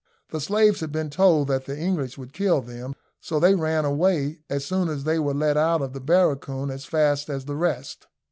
The slaves had been told that the English would kill them, so they ran away as soon as they were let out of the barracoon, as fast as the rest.